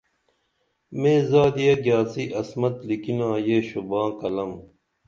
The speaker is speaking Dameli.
مے زادیہ گِیاڅی عصمت لِکِنا یہ شوباں کلام